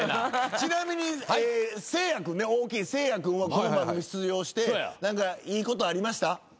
ちなみに大きいせいや君はこの番組出場して何かいいことありました？